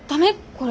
これ。